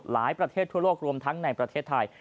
ประเทศทั่วโลกรวมทั้งในประเทศไทย